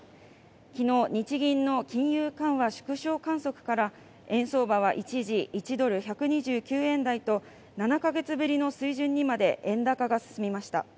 昨日日銀の金融緩和縮小観測から円相場は一時１ドル＝１２９円台と７か月ぶりの水準にまで円高が進みました